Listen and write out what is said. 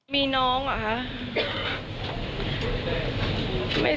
มีน้องเหรอคะ